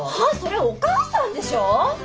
それはお母さんでしょ！